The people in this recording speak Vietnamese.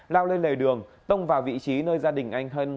lao lên lề đường tông vào vị trí nơi gia đình anh hân